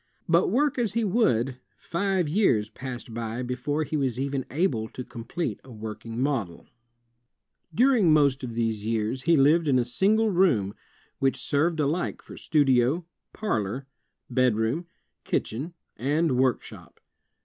But work as he would, five years passed by before he was even able to complete a working model. 2l8 INVENTIONS OF PRINTING AND COMMUNICATION During most of these years he lived in a single room, which served alike for studio, parlor, bedroom, kitchen, and workshop.